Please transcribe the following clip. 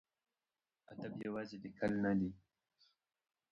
ادب یوازې لیکل نه دي.